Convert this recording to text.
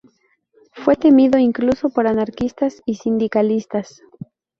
Fue temido incluso por anarquistas y sindicalistas.